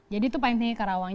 jadi itu paling tinggi kerawang